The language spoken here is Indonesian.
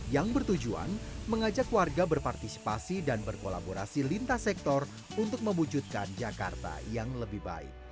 yang bertujuan mengajak warga berpartisipasi dan berkolaborasi lintas sektor untuk mewujudkan jakarta yang lebih baik